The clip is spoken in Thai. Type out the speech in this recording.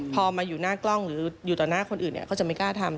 พอมาอยู่หน้ากล้องหรืออยู่ต่อหน้าคนอื่นเขาจะไม่กล้าทำ